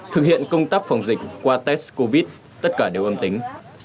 thực hiện công tác phòng dịch qua test covid tất cả đều âm tính